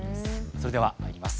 それではまいります。